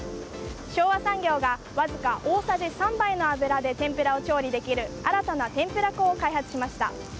昭和産業がわずか大さじ３杯の油で天ぷらを調理できる新たな天ぷら粉を開発しました。